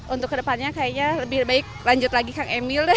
untuk kedepannya kayaknya lebih baik lanjut lagi kang emil deh